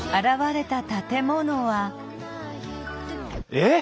えっ！